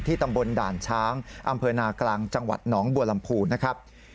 ตำบลด่านช้างอำเภอนากลางจังหวัดหนองบัวลำพูนะครับ